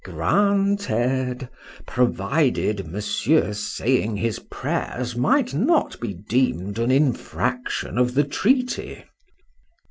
Granted; provided Monsieur's saying his prayers might not be deemed an infraction of the treaty.